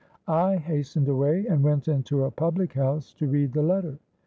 I hastened away, and went into a public house to read the letter.